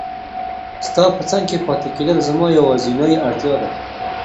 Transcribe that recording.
ستا په څنګ کې پاتې کېدل زما یوازینۍ اړتیا ده.